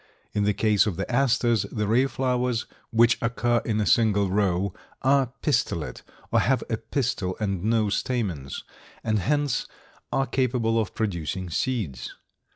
In the case of the Asters, the ray flowers, which occur in a single row, are pistillate or have a pistil and no stamens and hence are capable of producing seeds.